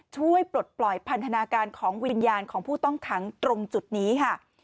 ปลดปล่อยพันธนาการของวิญญาณของผู้ต้องขังตรงจุดนี้ค่ะ